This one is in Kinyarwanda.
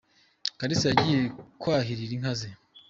Kalisa yagiye kwahirira inka ze.